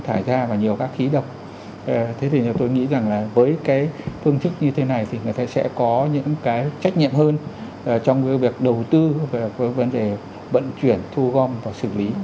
thế thì tôi nghĩ rằng là với cái phương thức như thế này thì người ta sẽ có những cái trách nhiệm hơn trong cái việc đầu tư về vấn đề vận chuyển thu gom và xử lý